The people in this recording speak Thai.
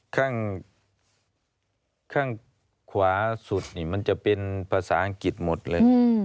ข้างขวาสุดนี่มันจะเป็นภาษาอังกฤษหมดเลย